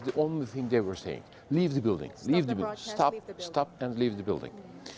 hentikan dan tinggalkan bangunan